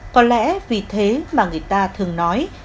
có lẽ vì thế mà người ta thường nói